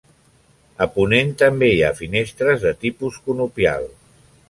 A ponent també hi ha finestres de tipus conopial.